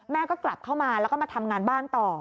ก็กลับเข้ามาแล้วก็มาทำงานบ้านต่อ